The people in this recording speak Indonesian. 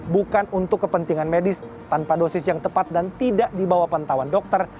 bukan untuk kepentingan medis tanpa dosis yang tepat dan tidak dibawa pantauan dokter